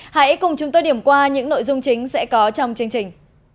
hãy cùng chúng tôi điểm qua những nội dung chính sẽ có trong chương trình